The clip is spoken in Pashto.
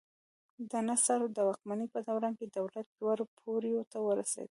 د نصر د واکمنۍ په دوران کې دولت لوړو پوړیو ته ورسېد.